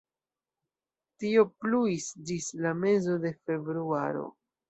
Tio pluis ĝis la mezo de februaro.